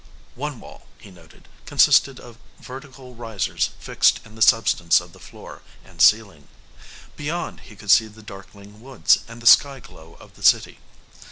One wall, he noted, consisted of vertical risers fixed in the substance of the floor and ceiling. Beyond, he could see the darkling woods and the sky glow of the city.